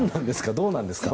どうなんですか？